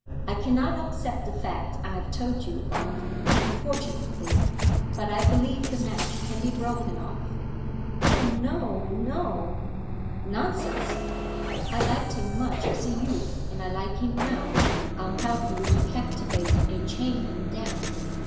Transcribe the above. I cannot upset the fact I have told you of, unfortunately. But I believe the match can be broken off.' 'O no, no.' 'Nonsense. I liked him much as a youth, and I like him now. I'll help you to captivate and chain him down.